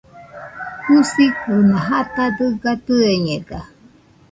Jusigɨna jata dɨga tɨeñega